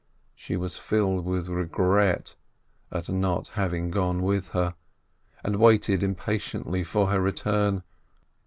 She was filled with regret at not having gone with her, and waited impatiently for her return.